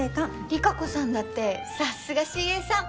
理香子さんだってさすがＣＡさん！